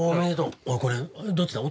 これどっちだ？